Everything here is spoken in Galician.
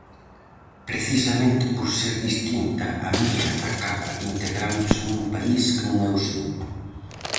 Precisamente por ser distinta, Amira acaba integrándose nun país que non é o seu.